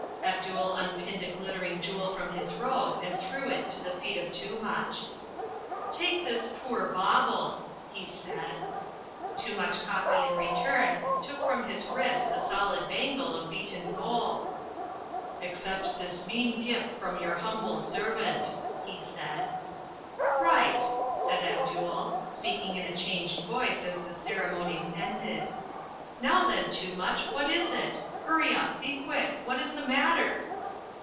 Abdul unpinned a glittering jewel from his robe and threw it to the feet of Toomuch. "Take this poor bauble," he said. Toomuch Koffi in return took from his wrist a solid bangle of beaten gold. "Accept this mean gift from your humble servant," he said. "Right!" said Abdul, speaking in a changed voice as the ceremonies ended. "Now, then, Toomuch, what is it? Hurry up. Be quick. What is the matter?"